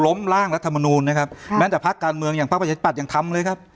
ร่างรัฐมนูลนะครับแม้แต่ภาคการเมืองอย่างภาคประชาธิปัตย์ยังทำเลยครับ